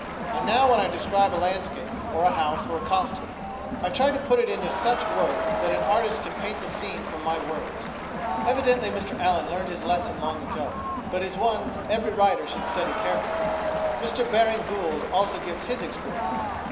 And now when I describe a landscape, or a house, or a costume, I try to put it into such words that an artist can paint the scene from my words." Evidently Mr Allen learned his lesson long ago, but it is one every writer should study carefully. Mr Baring Gould also gives his experience.